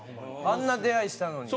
あんな出会いしたのに。